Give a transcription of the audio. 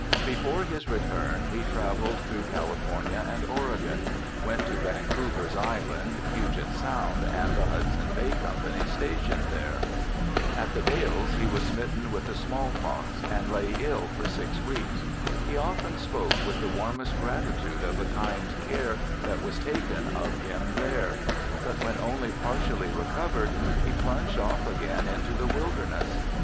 Before his return he travelled through California and Oregon, went to Vancouver's Island, Puget Sound, and the Hudson Bay Company's station there. At the Dalles he was smitten with the small pox, and lay ill for six weeks. He often spoke with the warmest gratitude of the kind care that was taken of him there. But when only partially recovered he plunged off again into the wilderness.